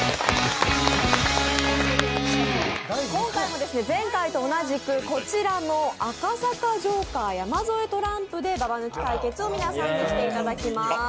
今回も前回と同じくこちらの赤坂ジョーカー山添トランプでババ抜き対決を皆さんにしていただきます。